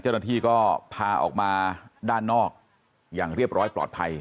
เจ้าหน้าที่ก็พาออกมาด้านนอกอย่างเรียบร้อยปลอดภัย